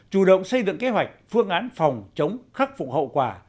chủ động xây dựng kế hoạch phương án phòng chống khắc phục hậu quả